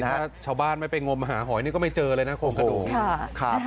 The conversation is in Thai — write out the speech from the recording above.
ถ้าชาวบ้านไม่ไปงมหาหอยนี่ก็ไม่เจอเลยนะโครงกระดูกนี้